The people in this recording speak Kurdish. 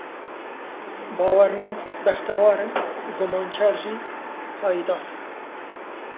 Bawermend bextewar in, gumanker jî hayîdar.